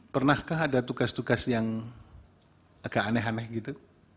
pernahkah ada tugas tugas yang agak aneh aneh gitu